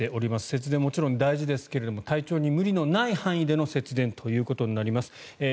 節電ももちろん大事ですが体調に無理のない範囲での節電となります。